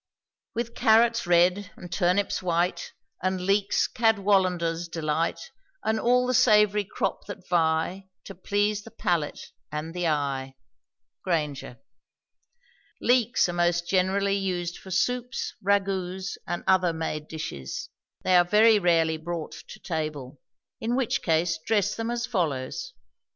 With carrots red, and turnips white, And leeks, Cadwallader's delight, And all the savory crop that vie To please the palate and the eye. GRAINGER. Leeks are most generally used for soups, ragouts, and other made dishes. They are very rarely brought to table; in which case dress them as follows.